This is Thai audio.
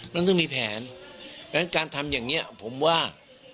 มันต้องมีแผนเพราะฉะนั้นการทำอย่างนี้ผมว่า